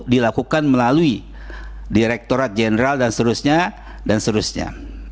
dilakukan melalui direktorat jeneral dan seterusnya